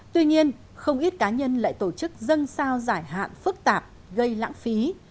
tuy nhiên không ít cá nhân lại tổ chức dân sao giải hạn phức tạp gây lãng phí